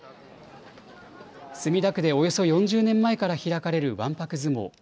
墨田区でおよそ４０年前から開かれる、わんぱく相撲。